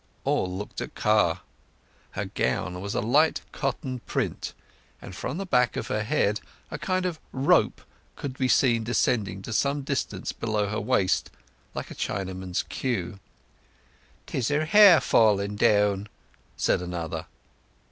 All looked at Car. Her gown was a light cotton print, and from the back of her head a kind of rope could be seen descending to some distance below her waist, like a Chinaman's queue. "'Tis her hair falling down," said another.